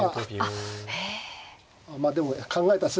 あまあでも考えた末に。